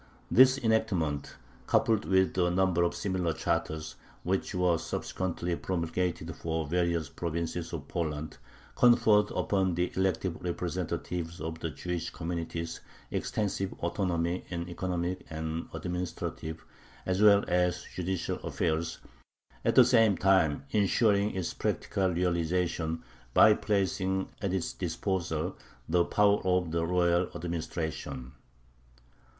This enactment, coupled with a number of similar charters, which were subsequently promulgated for various provinces of Poland, conferred upon the elective representatives of the Jewish communities extensive autonomy in economic and administrative as well as judicial affairs, at the same time insuring its practical realization by placing at its disposal the power of the royal administration.